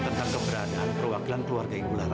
tentang keberadaan perwakilan keluarga